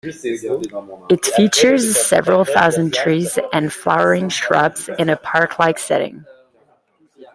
It features several thousand trees and flowering shrubs in a park-like setting.